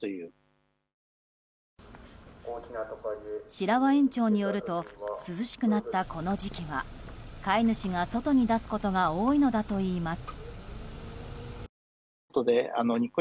白輪園長によると涼しくなったこの時期は飼い主が外に出すことが多いのだといいます。